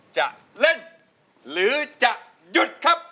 จะเล่นหรือจะหยุดครับ